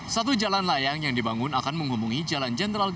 satu jalan layang yang dibangun akan menghubungi jalan jenderal